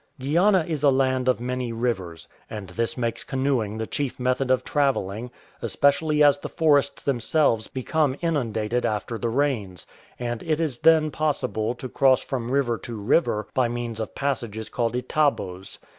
'" Guiana is a land of many rivers, and this makes canoe ing the chief method of travelling, especially as the forests themselves become inundated after the rains, and it is then possible to cross from river to river by means of passages called itabhos.